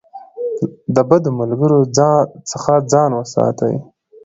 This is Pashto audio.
د بدو ملګرو څخه ځان وساتئ.